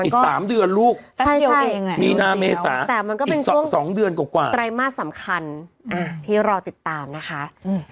อีก๓เดือนลูกมีนาเมษาอีก๒เดือนกว่าแต่มันก็เป็นไตรมาสสำคัญที่เราติดตามนะคะ